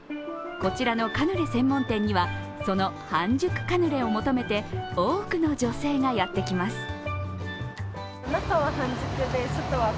こちらのカヌレ専門店にはその半熟カヌレを求めて多くの女性がやってきます。